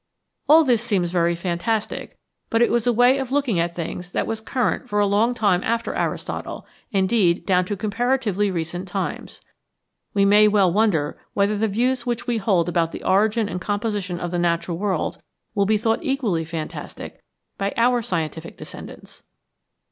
All this seems very fantastic, but it was a way of looking at things that was current for a long time after Aristotle, indeed down to comparatively recent times. We may well wonder whether the views which we hold about the origin and composition of the natural world will be thought equally fantastic by our scientific descendants